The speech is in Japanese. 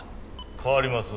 代わります。